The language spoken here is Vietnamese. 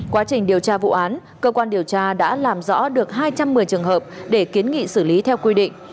quá trình điều tra vụ án cơ quan điều tra đã làm rõ được hai trăm một mươi trường hợp để kiến nghị xử lý theo quy định